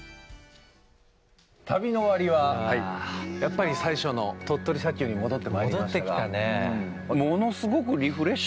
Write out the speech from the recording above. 旅の終わりは、やっぱり最初の鳥取砂丘に戻ってまいりましたが。